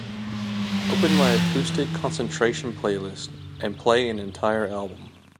Open my acoustic concentration playlist and play an entire album